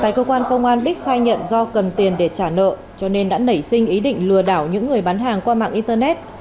tại cơ quan công an bích khai nhận do cần tiền để trả nợ cho nên đã nảy sinh ý định lừa đảo những người bán hàng qua mạng internet